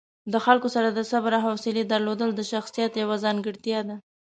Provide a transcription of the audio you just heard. د خلکو سره د صبر او حوصلې درلودل د شخصیت یوه ځانګړتیا ده.